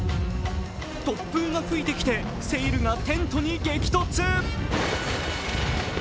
突風が吹いてきてセイルがテントに激突。